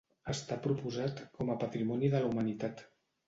Està proposat com a Patrimoni de la Humanitat.